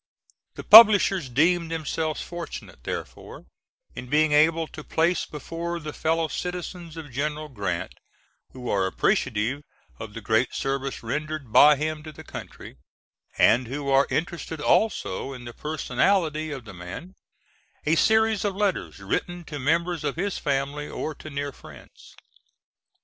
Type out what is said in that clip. The publishers deem themselves fortunate, therefore, in being able to place before the fellow citizens of General Grant who are appreciative of the great service rendered by him to the country, and who are interested also in the personality of the man, a series of letters written to members of his family or to near friends.